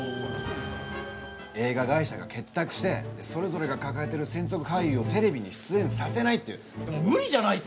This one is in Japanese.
映画会社が結託してそれぞれが抱えている専属俳優をテレビに出演させないっていう。